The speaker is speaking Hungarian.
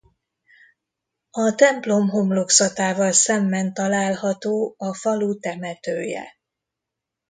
A templom homlokzatával szemben található a falu temetője.